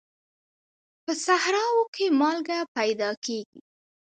په صحراوو کې مالګه پیدا کېږي.